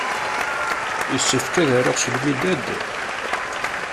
Yessefk ad aruɣ s lmidad?